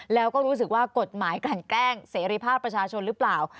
แล้วก็รู้สึกว่ากฎหมายกลั่นแกล้งเสรีภาพประชาชนหรือเปล่า